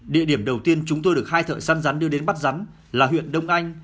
địa điểm đầu tiên chúng tôi được hai thợ săn rắn đưa đến bắt rắn là huyện đông anh